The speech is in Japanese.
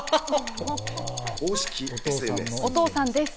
お父さんです！